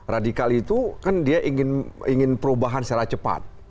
radikal itu kan dia ingin perubahan secara cepat